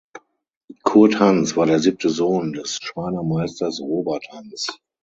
Kurt Hans war der siebte Sohn des Schreinermeisters Robert Hans.